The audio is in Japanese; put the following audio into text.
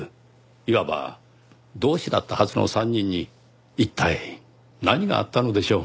いわば同志だったはずの３人に一体何があったのでしょう？